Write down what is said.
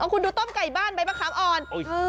คุณดูต้มไก่บ้านใบมะขามอ่อน